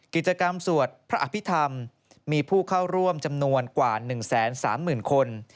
กิจกรรมสวดพระอภิษฐรรมมีผู้เข้าร่วมจำนวนกว่า๑๓๐๐๐คน